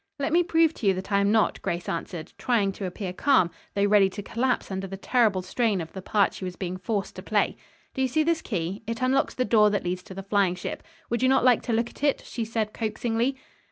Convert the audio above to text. "Let me prove to you that I am not," Grace answered, trying to appear calm, though ready to collapse under the terrible strain of the part she was being forced to play. "Do you see this key? It unlocks the door that leads to the flying ship. Would you not like to look at it?" she said coaxingly.